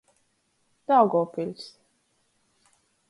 Daugovpiļs.